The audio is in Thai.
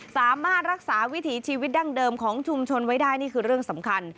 สามารถรักษาวิถีชีวิตดั้งเดิมของชุมชนไว้ได้นี่คือเรื่องสำคัญ